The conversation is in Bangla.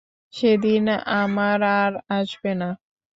সেদিন আমার আর আসবে না।